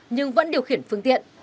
nhưng vẫn điều khiển phương tiện